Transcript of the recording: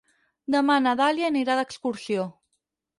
Demà na Dàlia anirà d'excursió.